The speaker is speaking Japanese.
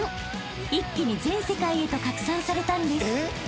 一気に全世界へと拡散されたんです］